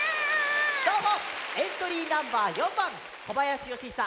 どうもエントリーナンバー４ばんこばやしよしひさ